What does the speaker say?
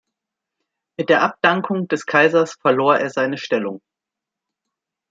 Mit der Abdankung des Kaisers verlor er seine Stellung.